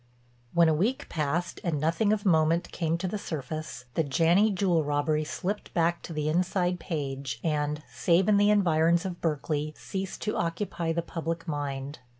When a week passed and nothing of moment came to the surface, the Janney jewel robbery slipped back to the inside page, and, save in the environs of Berkeley, ceased to occupy the public mind.